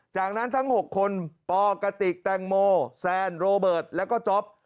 จากนั้นทั้ง๖คนปกติกแตงโมแซนโรเบิร์ตแล้วก็จ๊อป